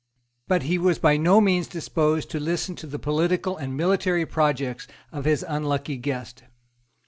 But he was by no means disposed to listen to the political and military projects of his unlucky guest.